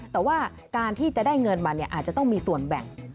แต่ว่าการที่จะได้เงินมาอาจจะต้องมีส่วนแบ่ง